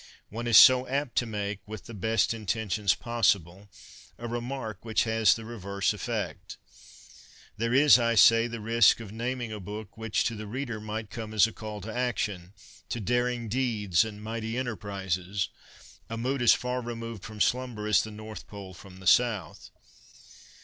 One is so apt to make, with the best intentions possible, a remark which has the reverse effect. There is, I say, the risk of naming a book which to the reader might come as a call to action — to daring deeds and mighty enterprises — a mood as far removed from slumber as the North Pole from the South.